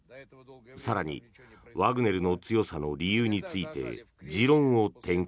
更にワグネルの強さの理由について持論を展開。